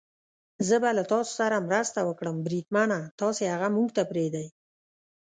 زه به له تاسو سره مرسته وکړم، بریدمنه، تاسې هغه موږ ته پرېږدئ.